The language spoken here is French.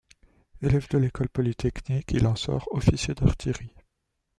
Élève de l'école Polytechnique, il en sort officier d'artillerie.